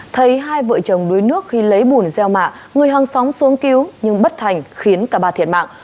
thấy hai vợ chồng đuối nước khi lấy bùn gieo mạ người hăng sóng xuống cứu nhưng bất thành khiến cả ba thiệt mạng